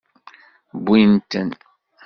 Wwin-ten.